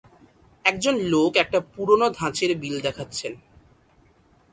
একজন লোক একটা পুরনো ধাঁচের বিল দেখাচ্ছেন